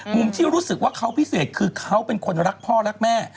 มุมที่รู้สึกว่าเขาพิเศษคือเขาเป็นคนรักพ่อรักแม่